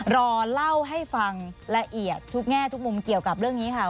รอเล่าให้ฟังละเอียดทุกแง่ทุกมุมเกี่ยวกับเรื่องนี้ค่ะ